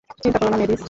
চিন্তা করো না, মেভিস।